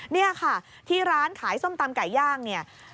นี่ค่ะที่ร้านขายส้มตำไก่ย่างเนี่ย